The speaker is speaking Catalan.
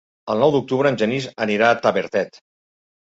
El nou d'octubre en Genís anirà a Tavertet.